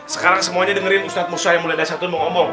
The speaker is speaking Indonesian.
sekarang semuanya dengerin ustadz musa yang mulia dari satun mau ngomong